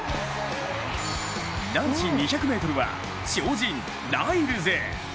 男子２００ｍは超人ライルズ。